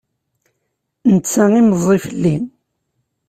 Netta i meẓẓi fell-i.